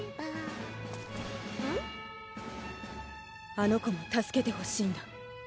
あの子も助けてほしいんだ。